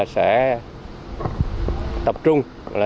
sẽ tập trung